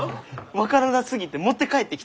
分からなすぎて持って帰ってきた。